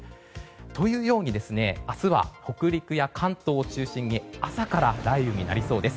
というように、明日は北陸や関東を中心に朝から雷雨になりそうです。